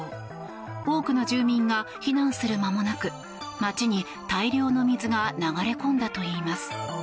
多くの住民が避難する間もなく街に大量の水が流れ込んだといいます。